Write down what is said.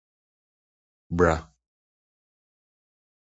bra